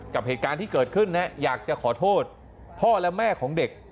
กับเหตุการณ์ที่เกิดขึ้นอยากจะขอโทษพ่อและแม่ของเด็ก